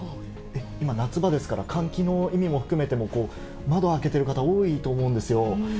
今、夏場ですから、換気の意味も含めても、窓開けてる方、多いと思うんですよ。